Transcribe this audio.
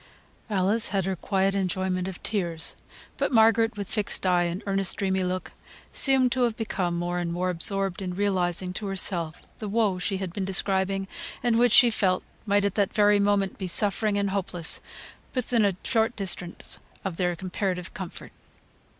Alice had her quiet enjoyment of tears. But Margaret, with fixed eye, and earnest, dreamy look, seemed to become more and more absorbed in realising to herself the woe she had been describing, and which she felt might at that very moment be suffering and hopeless within a short distance of their comparative comfort.